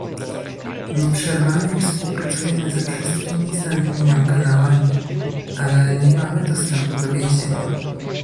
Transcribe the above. Nieprzerwanie współpracujemy ze wszystkimi znanymi nam kanałami, ale nie mamy dostępu do więzienia